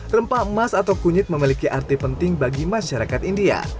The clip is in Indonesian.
rempah emas atau kunyit memiliki arti penting bagi masyarakat india